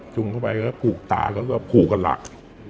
เข้าไปแล้วผูกตาแล้วก็ผูกกันหลัก